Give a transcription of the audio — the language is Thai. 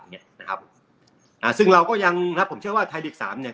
เนี้ยนะครับอ่าซึ่งเราก็ยังนะครับผมเชื่อว่าไทยลีกสามเนี้ย